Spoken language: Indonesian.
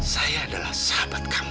saya adalah sahabat kamu